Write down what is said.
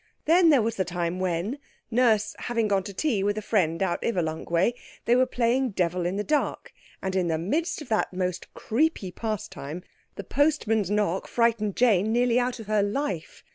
Then there was the time when, Nurse having gone to tea with a friend out Ivalunk way, they were playing "devil in the dark"—and in the midst of that most creepy pastime the postman's knock frightened Jane nearly out of her life.